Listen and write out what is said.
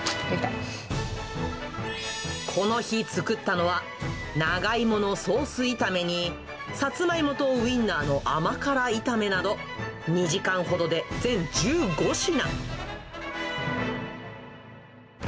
この日、作ったのは、長芋のソース炒めに、サツマイモとウインナーの甘辛炒めなど、２時間ほどで全１５品。